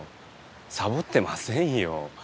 さぼってませんよ。